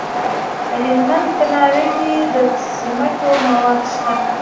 د هلمند په ناوې کې د سمنټو مواد شته.